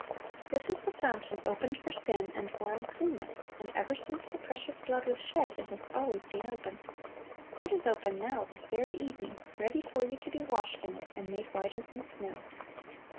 This is "the fountain opened for sin and for uncleanness"; and ever since the precious blood was shed, it has always been open. It is open now, this very evening, ready for you to be washed in it, and made "whiter than snow."